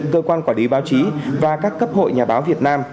cơ quan quản lý báo chí và các cấp hội nhà báo việt nam